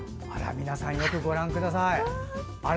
皆さんよくご覧ください。